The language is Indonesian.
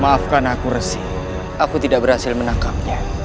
maafkan aku resi aku tidak berhasil menangkapnya